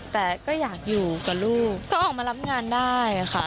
แต่ก็อยากอยู่กับลูกก็ออกมารับงานได้ค่ะ